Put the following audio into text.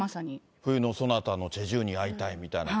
冬のソナタのチェ・ジウに会いたいみたいな。